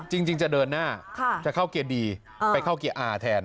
จริงจะเดินหน้าจะเข้าเกียร์ดีไปเข้าเกียร์อาแทน